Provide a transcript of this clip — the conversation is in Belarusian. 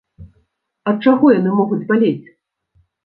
Ад чаго яны могуць балець?